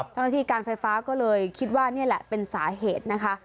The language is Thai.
เจ้าหน้าที่การไฟฟ้าก็เลยคิดว่านี่แหละเป็นสาเหตุนะคะ